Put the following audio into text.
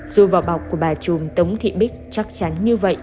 dù vỏ bọc của bà trùm tống thị bích chắc chắn như vậy